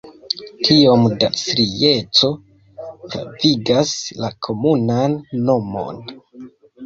Tiom da strieco pravigas la komunan nomon.